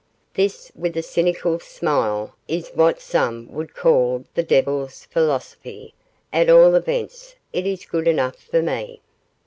This,' with a cynical smile, 'is what some would call the devil's philosophy; at all events, it is good enough for me.